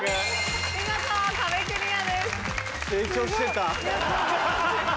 見事壁クリアです。